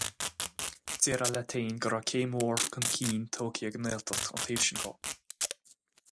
Déarfá leat féin go raibh céim mhór chun cinn tógtha ag an nGaeltacht ón taobh sin de.